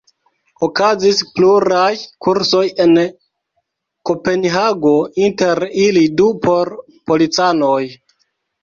Okazis pluraj kursoj en Kopenhago, inter ili du por policanoj.